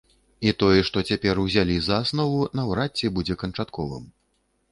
І той, што цяпер узялі за аснову, наўрад ці будзе канчатковым.